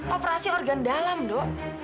operasi organ dalam do